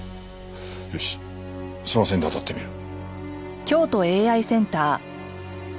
よしその線であたってみる。